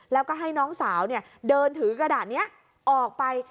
แล้วก็ให้น้องสาวเดินถือกระดาษนี้ออกไป